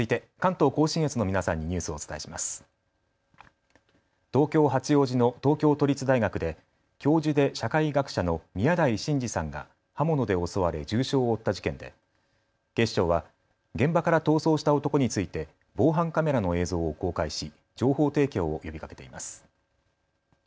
東京八王子の東京都立大学で教授で社会学者の宮台真司さんが刃物で襲われ重傷を負った事件で警視庁は現場から逃走した男について防犯カメラの映像を公開し情報提供を呼びかけています。